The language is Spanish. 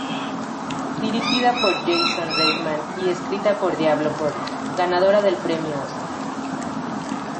Dirigida por Jason Reitman y escrita por Diablo Cody, ganadora del Premio Óscar.